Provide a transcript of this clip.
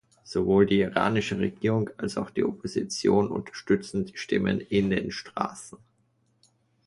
Sowohl die iranische Regierung als auch die Opposition unterstützen die Stimmen in den Straßen.